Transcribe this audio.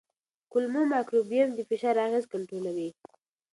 کولمو مایکروبیوم د فشار اغېزه کنټرولوي.